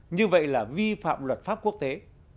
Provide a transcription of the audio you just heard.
như vậy là vi phạm luật pháp quốc tế